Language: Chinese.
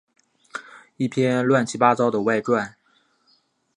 一篇乱七八糟的外传